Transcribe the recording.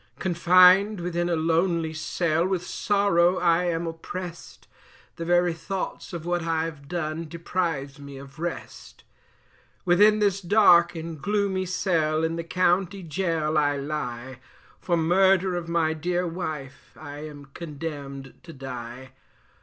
Confined within a lonely cell, with sorrow I am opprest, The very thoughts of what I've done deprives me of rest; "Within this dark and gloomy cell in the county Gaol I lie, For murder of my dear wife I am condemned to die.